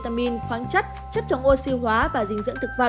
trái cây chứa nhiều khoáng chất chất chống oxy hóa và dinh dưỡng thực vật